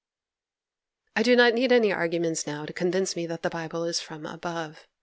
I do not need any arguments now to convince me that the Bible is from above.